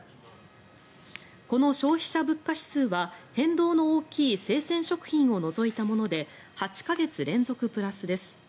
この消費者物価指数は変動の大きい生鮮食品を除いたもので８か月連続プラスです。